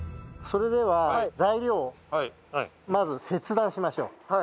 それでは材料をまず切断しましょう。